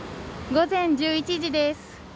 午前１１時です。